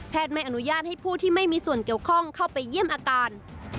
ไม่อนุญาตให้ผู้ที่ไม่มีส่วนเกี่ยวข้องเข้าไปเยี่ยมอาการ